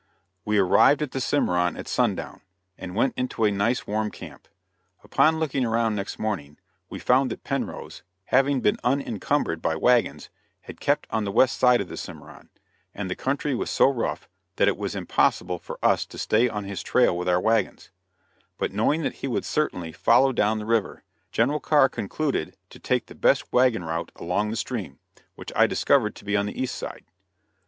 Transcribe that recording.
We arrived at the Cimarron at sundown, and went into a nice warm camp. Upon looking around next morning, we found that Penrose, having been unencumbered by wagons, had kept on the west side of the Cimarron, and the country was so rough that it was impossible for us to stay on his trail with our wagons; but knowing that he would certainly follow down the river, General Carr concluded to take the best wagon route along the stream, which I discovered to be on the east side.